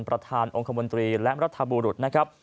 ประธานองค์คมนตรีและรัฐบุรุษนะครับ